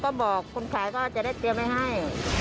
ก็บอกคนขายก็จะได้เตรียมไว้ให้